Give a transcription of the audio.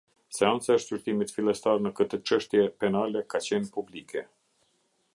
Seanca e shqyrtimit fillestar në këtë çështje penale ka qenë publike.